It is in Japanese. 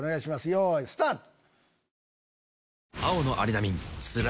よいスタート！